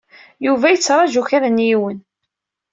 Yuba yettṛaju kra n yiwen.